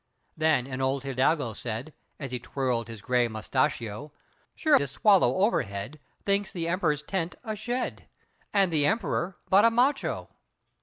Then an old Hidalgo said, As he twirled his gray mustachio, "Sure this swallow overhead Thinks the Emperor's tent a shed, And the Emperor but a macho!"